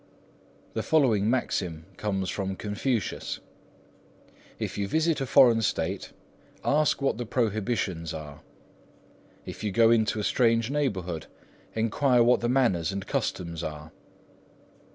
The following maxim comes from Confucius:— "If you visit a foreign State, ask what the prohibitions are; if you go into a strange neighbourhood, enquire what the manners and customs are."